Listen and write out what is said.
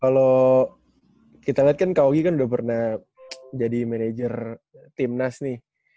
kalau kita lihat kan kak ogi kan udah pernah jadi manajer tim nas nih